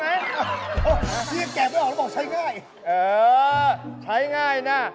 พี่แกะไม่ออกแล้วบอกใช้ง่ายเออใช้ง่ายนะ